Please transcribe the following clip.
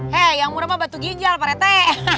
hei yang murah mah batu ginjal pak rete